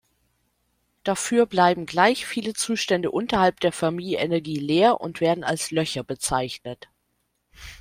Dafür bleiben gleich viele Zustände unterhalb der Fermi-Energie leer und werden als "Löcher" bezeichnet.